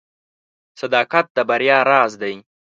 • صداقت د بریا راز دی.